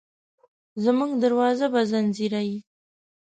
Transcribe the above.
زموږ دروازه به ځینځېرې،